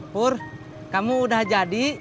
pur kamu udah jadi